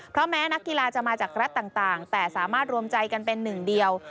เพราะแม้นักกีฬาจะมาจากรัฐต่างแต่สามารถรวมใจกันเป็นหนึ่งเดียว